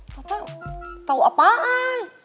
papa tau apaan